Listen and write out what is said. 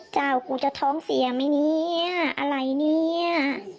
กูจะท้องเสียไหมเนี่ยอะไรเนี่ย